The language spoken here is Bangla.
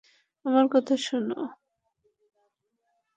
আমার কথা শুনো!